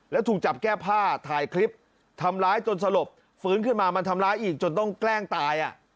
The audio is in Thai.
แล้วถูกจับแก้ผ้าถ่ายคลิปทำร้ายจนสลบฟื้นขึ้นมามันทำร้ายอีกจนต้องแกล้งตาย